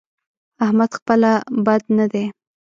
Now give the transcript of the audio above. احمد خپله بد نه دی؛